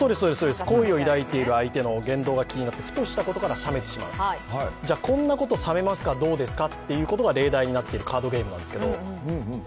好意を抱いている相手の言動が気になってふとしたことから冷めてしまう、こんなこと冷めますかどうですかっていうことが例題になっているカードゲームなんですけど。